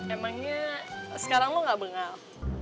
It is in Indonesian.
emangnya sekarang lo gak bengal